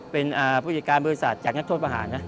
เป็นผู้จัดการบริษัทจากนักโทษประหารนะ